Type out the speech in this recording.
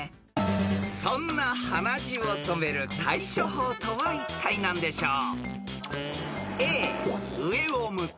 ［そんな鼻血を止める対処法とはいったい何でしょう？］